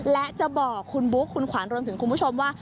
และจะบอกคุณบุ๊คคุณขวัญรวมถึงคุณผู้ชมว่า